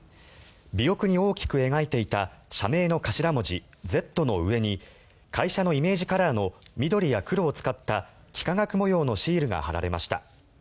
尾翼に大きく描いていた社名の頭文字「Ｚ」の上に会社のイメージカラーの緑や黒を使った幾何学模様のシールが貼られました。